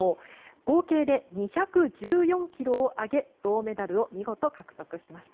合計で２１４ｋｇを上げ銅メダルを見事、獲得しました。